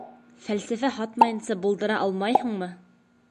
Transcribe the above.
Фәлсәфә һатмайынса булдыра алмайһыңмы?